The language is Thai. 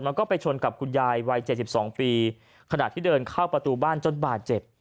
มันก็ไปชนกับคุณยายวัย๗๒ปีขณะที่เดินเข้าประตูบ้านจนบาดเจ็บ